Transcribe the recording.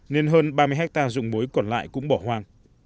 nên hơn ba mươi hectare dụng muối còn lại cũng bỏ hoang